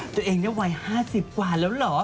ตัวเองนี่วัย๕๐กว่าแล้วเหรอ